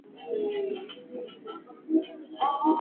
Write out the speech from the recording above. Tezi kuvimba hasa nyuma ya mashavu taya na chini na shingoni